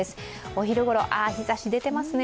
お昼ごろ、日ざし、出てますね。